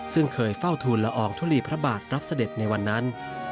ซึ่งเคยเฝ้าทูลละอองทุลีพระบาทรับเสด็จในวันนั้น